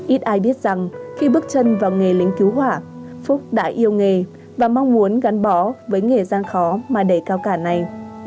ít ai biết rằng khi bước chân vào nghề lính cứu hỏa phúc đã yêu nghề và mong muốn gắn bó với nghề gian khó mà để cao cả này